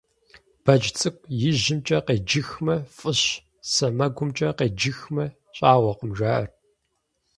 Бэдж цӀыкӀу ижьымкӀэ къеджыхмэ, фӀыщ, сэмэгумкӀэ къеджыхмэ, щӀагъуэкъым, жаӀэрт.